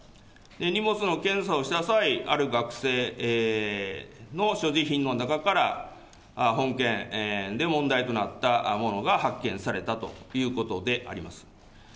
荷物の検査をした際、ある学生の所持品の中から、本件で問題となったものが発見されたということであります。